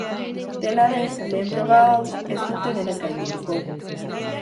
Dena den, lehen proba hau ez dute denek gaindituko.